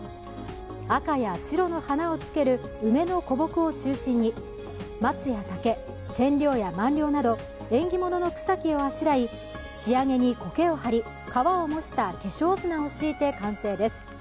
紅や白の花をつける梅の古木を中心に、松や竹、千両や万両など縁起物の草木をあしらい、仕上げにこけを張り、川を模した化粧砂を敷いて完成です。